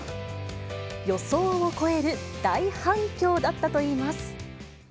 予想を超える大反響だったといいます。